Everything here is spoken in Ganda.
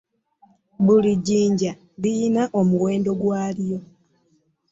Buli jjinja lirina omuwendo gwalyo .